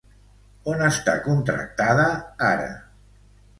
On està contractada ara?